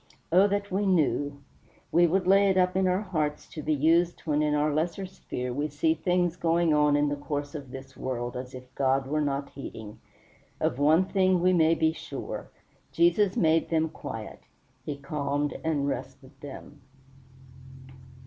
Oh that we knew! We would lay it up in our hearts, to be used when in our lesser sphere we see things going in the course of this world as if God were not heeding. Of one thing we may be sure. Jesus made them quiet; he calmed and rested them.